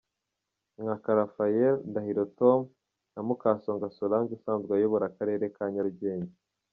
Nkaka Raphael, Ndahiro Tom, na Mukasonga Solange usanzwe ayobora Akarere ka Nyarugenge.